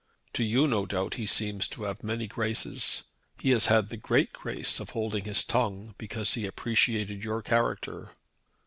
To you no doubt he seems to have many graces. He has had the great grace of holding his tongue because he appreciated your character."